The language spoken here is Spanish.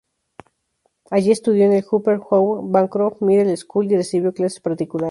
Allí estudió en el Hubert Howe Bancroft Middle School y recibió clases particulares.